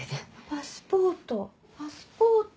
パスポートパスポート。